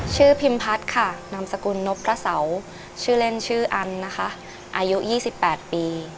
พิมพัฒน์ค่ะนามสกุลนพพระเสาชื่อเล่นชื่ออันนะคะอายุ๒๘ปี